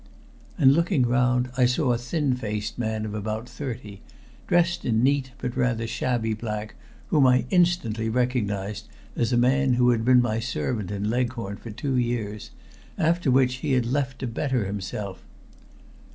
And looking round, I saw a thin faced man of about thirty, dressed in neat but rather shabby black, whom I instantly recognized as a man who had been my servant in Leghorn for two years, after which he had left to better himself.